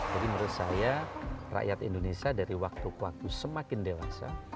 jadi menurut saya rakyat indonesia dari waktu ke waktu semakin dewasa